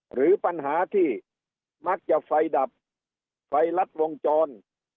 หรือปัญหาที่มักจะไฟดับไฟลัดวงจร